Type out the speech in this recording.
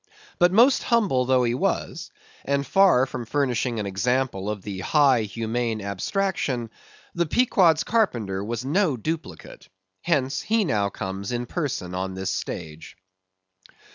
But most humble though he was, and far from furnishing an example of the high, humane abstraction; the Pequod's carpenter was no duplicate; hence, he now comes in person on this stage.